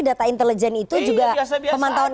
data intelijen itu juga pemantauan